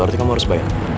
berarti kamu harus bayar